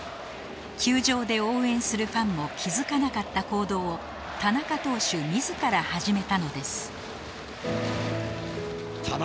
球場で応援するファンも気づかなかった行動を田中投手自ら始めたのです